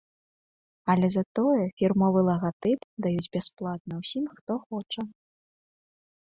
Але затое фірмовы лагатып даюць бясплатна ўсім, хто хоча.